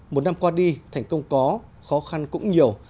một năm qua đi thành công có khó khăn cũng nhiều